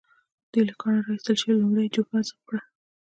دوی له کانه را ايستل شوې لومړۍ جوپه ذوب کړه.